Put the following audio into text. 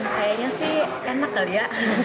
kayaknya sih enak kali ya